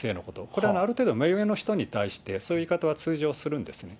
これはある程度、目上の人に対して、そういう言い方は通常するんですね。